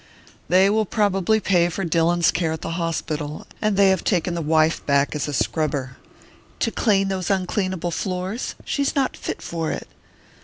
"They will probably pay for Dillon's care at the hospital, and they have taken the wife back as a scrubber." "To clean those uncleanable floors? She's not fit for it!"